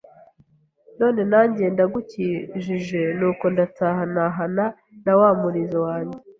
none nanjye ndagukijije, nuko ndataha ntahana na wa murizo wanjye